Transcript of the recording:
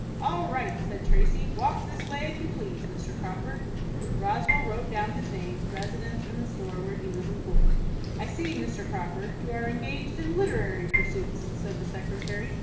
"All right," said Tracy; "walk this way if you please, Mr. Crawford." Roswell wrote down his name, residence, and the store where he was employed. "I see, Mr. Crawford, you are engaged in literary pursuits," said the secretary.